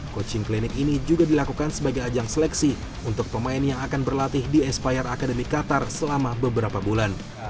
coaching klinic ini juga dilakukan sebagai ajang seleksi untuk pemain yang akan berlatih di aspire academy qatar selama beberapa bulan